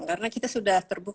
karena kita sudah terhubung